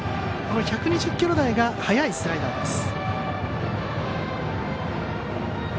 １２０キロ台が速いスライダーです。